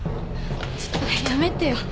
ちょっとやめてよ。